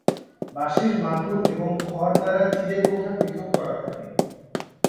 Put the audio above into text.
বাঁশের মাদুর এবং খড় দ্বারা চিলে-কোঠা পৃথক করা থাকে।